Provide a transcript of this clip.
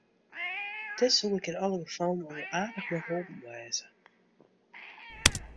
Dêr soe ik yn alle gefallen al aardich mei holpen wêze.